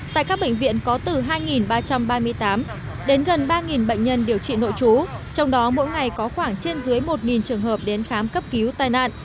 tại các bệnh viện có từ hai ba trăm ba mươi tám đến gần ba bệnh nhân điều trị nội trú trong đó mỗi ngày có khoảng trên dưới một trường hợp đến khám cấp cứu tai nạn